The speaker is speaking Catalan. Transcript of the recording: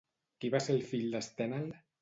Qui va ser el fill d'Estènel?